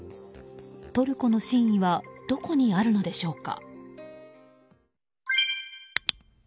トルコの真意はどこにあるのでしょうか。